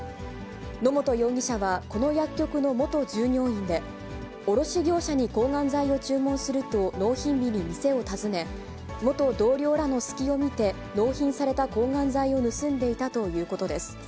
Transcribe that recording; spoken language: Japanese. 野本容疑者は、この薬局の元従業員で、卸業者に抗がん剤を注文すると、納品日に店を訪ね、元同僚らの隙を見て、納品された抗がん剤を盗んでいたということです。